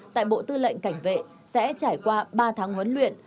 tại bộ tư lệnh cảnh vệ sẽ trải qua ba tháng huấn luyện